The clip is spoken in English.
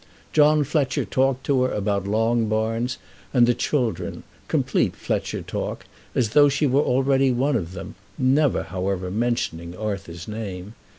John Fletcher talked to her about Longbarns, and the children, complete Fletcher talk, as though she were already one of them, never, however, mentioning Arthur's name.